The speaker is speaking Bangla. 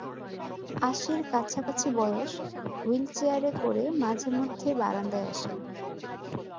আশির কাছাকাছি বয়স হুইল চেয়ারে করে মাঝেমধ্যে বারান্দায় আসেন।